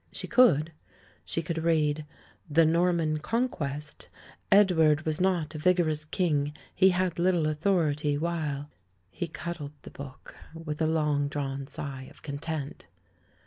She could; she could read: "The Norman Conquest. Edward was not a vigorous king; he had little authority, while " He cuddled the book, with a long drawn sigh of content.